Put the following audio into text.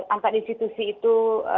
angkatan institusi itu